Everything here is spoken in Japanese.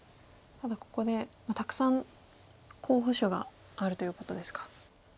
ただここでたくさん候補手があるということですか。